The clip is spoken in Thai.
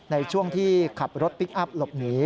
ในช่วงที่ขับรถพลิกอัพหลบหนี